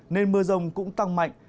nên mưa rông cũng tăng mạnh